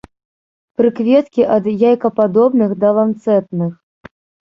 Прыкветкі ад яйкападобных да ланцэтных.